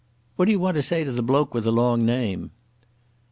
"What d'you want to say to the bloke with the long name?"